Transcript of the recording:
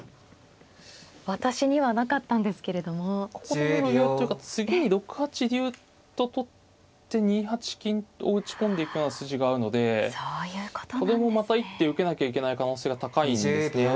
心の余裕というか次に６八竜と取って２八金を打ち込んでいくような筋があるのでこれもまた一手受けなきゃいけない可能性が高いんですけど。